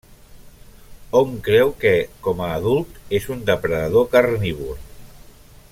Hom creu que, com a adult, és un depredador carnívor.